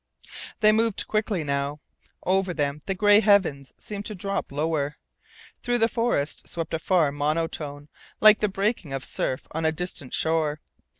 They moved quickly now. Over them the gray heavens seemed to drop lower. Through the forest swept a far monotone, like the breaking of surf on a distant shore.